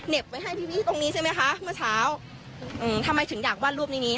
ไว้ให้พี่พี่ตรงนี้ใช่ไหมคะเมื่อเช้าอืมทำไมถึงอยากวาดรูปนี้นี้